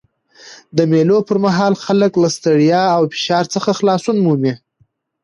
د مېلو پر مهال خلک له ستړیا او فشار څخه خلاصون مومي.